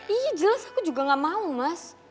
iya jelas aku juga gak mau mas